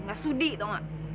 nggak sudi tau nggak